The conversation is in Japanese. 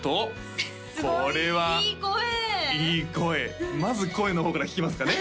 これはすごいいい声いい声まず声の方から聞きますかね